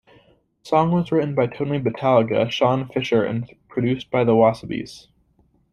The song was written by Tony Battaglia, Shaun Fisher and produced by The Wasabees.